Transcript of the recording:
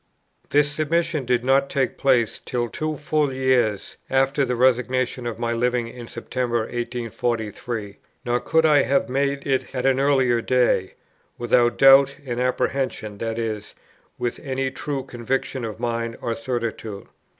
This submission did not take place till two full years after the resignation of my living in September 1843; nor could I have made it at an earlier day, without doubt and apprehension, that is, with any true conviction of mind or certitude.